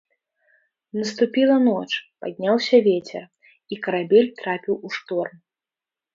Наступіла ноч, падняўся вецер, і карабель трапіў у шторм.